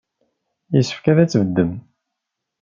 Yessefk ad tbeddem.